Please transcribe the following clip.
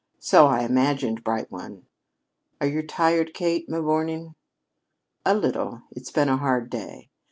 "So I imagined, bright one." "Are you tired, Kate, mavourneen?" "A little. It's been a hard day.